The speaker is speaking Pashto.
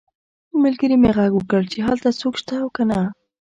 ملګري مې غږ وکړ چې هلته څوک شته او که نه